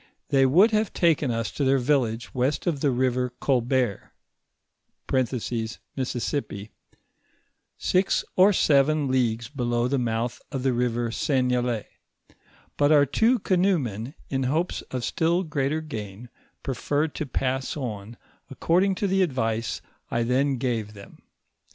They woiild have taken us to their village west of the river Colbert (Mississippi), six or seven leagues below the mouth of the river Seigne lay; but our two canoemen, in hopes of still greater gain, preferred to pass on, according to the advice I then gave them.